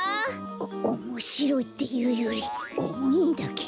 おおもしろいっていうよりおもいんだけど。